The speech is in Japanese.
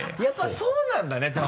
やっぱそうなんだね